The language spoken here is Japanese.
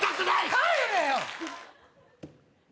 帰れよ！